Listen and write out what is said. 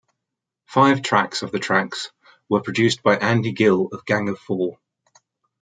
Five tracks of the tracks were produced by Andy Gill of Gang of Four.